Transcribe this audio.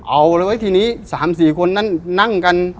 เอาละเว้ยทีนี้๓๔คนนั้นนั่งกัน